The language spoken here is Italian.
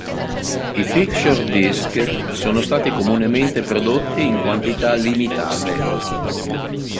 I "picture disc" sono stati comunemente prodotti in quantità limitate.